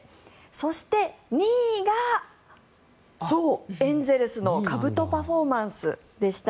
そして、２位がそう、エンゼルスのかぶとパフォーマンスでした。